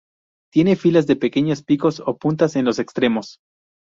Tiene filas de pequeños picos o puntas en los extremos.